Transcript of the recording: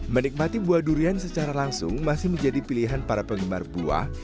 menikmati buah durian secara langsung masih menjadi pilihan para penggemar buah